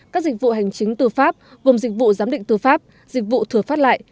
các dịch vụ hành chính tư pháp gồm dịch vụ giám định tư pháp dịch vụ thừa phát lại